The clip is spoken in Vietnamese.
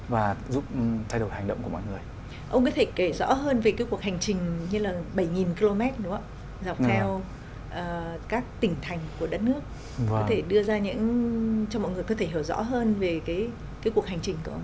về cái cuộc hành trình của ông